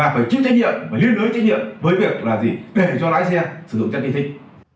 phải liên lưỡi trách nhiệm với việc là gì để cho lái xe sử dụng chất kỳ thích